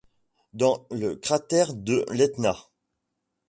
Dans le cratère de l'Etna.